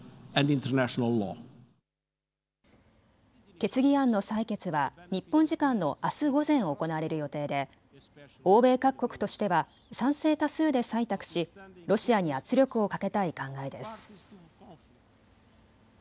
決議案の採決は日本時間のあす午前、行われる予定で欧米各国としては賛成多数で採択しロシアに圧力をかけたい考えです。